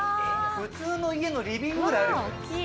普通の家のリビングぐらいあるよ。